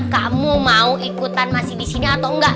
kamu mau ikutan masih disini atau enggak